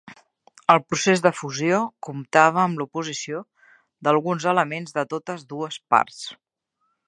El procés de fusió comptava amb l'oposició d'alguns elements de totes dues parts.